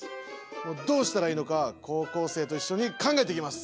どうしたらいいのか高校生と一緒に考えていきます！